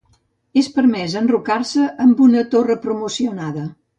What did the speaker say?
És permès d'enrocar-se amb una torre promocionada.